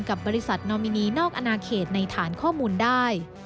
กับบริษัทนอมินีนอกอนาเขตในฐานข้อมูลได้